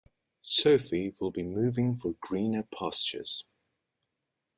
Sophie will be moving for greener pastures.